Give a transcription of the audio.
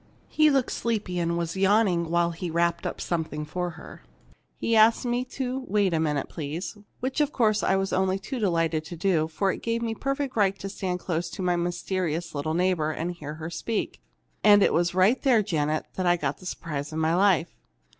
He looked sleepy, and was yawning while he wrapped up something for her. He asked me to 'Wait a minute, please!' which, of course, I was only too delighted to do, as it gave me a perfect right to stand close by my mysterious little neighbor and hear her speak. "And it was right there, Janet, that I got the surprise of my life.